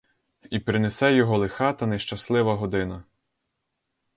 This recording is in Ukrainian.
І принесе його лиха та нещаслива година!